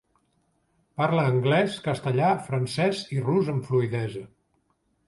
Parla anglès, castellà, francès i rus amb fluïdesa.